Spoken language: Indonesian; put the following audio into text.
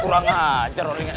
kurang ajar orangnya